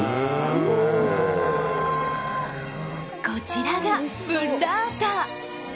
こちらがブッラータ。